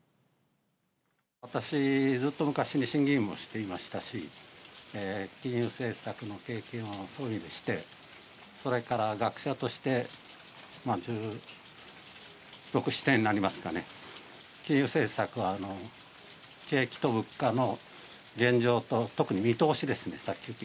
私、ずっと昔に審議委員もしていましたし、金融政策の経験を保有して、それから学者として１６、７年になりますかね、金融政策は、景気と物価の現状と特に見通しですね、先行き。